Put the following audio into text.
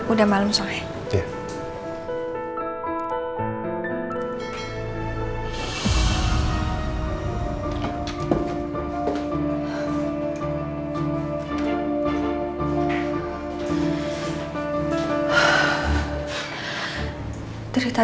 udah malem soalnya